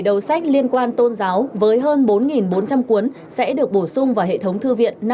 một mươi bảy đầu sách liên quan tôn giáo với hơn bốn bốn trăm linh cuốn sẽ được bổ sung vào hệ thống thư viện